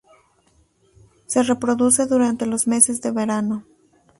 Se reproduce durante los meses de verano.